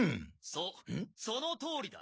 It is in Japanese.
・そうそのとおりだ。